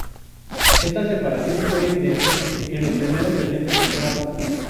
Esta separación fue evidente en los primeros eventos Roast.